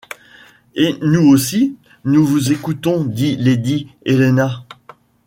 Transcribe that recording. Et nous aussi, nous vous écoutons, dit lady Helena.